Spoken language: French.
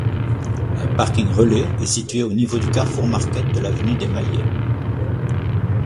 Un parking relais est situé au niveau du Carrefour Market de l'avenue des Maillets.